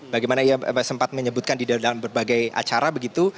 bagaimana ia sempat menyebutkan di dalam berbagai acara begitu